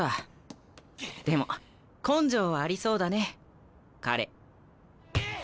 でも根性はありそうだね彼。